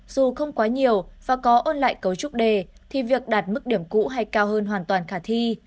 dù không quá nhiều và có ôn lại cấu trúc đề thì việc đạt mức điểm cũ hay cao hơn hoàn toàn khả thi